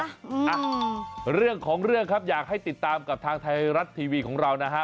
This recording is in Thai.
อะไรของเรื่องอยากให้ติดตามทางไทยรัสทีวีของเรานะ